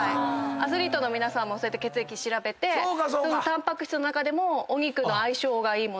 アスリートの皆さんもそうやって血液調べてタンパク質の中でもお肉の相性がいい物